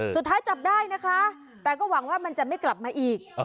สุดท้ายจับได้นะคะแต่ก็หวังว่ามันจะไม่กลับมาอีก